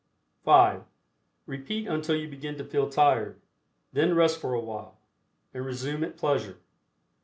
(5) Repeat until you begin to feel tired. Then rest for a while, and resume at pleasure.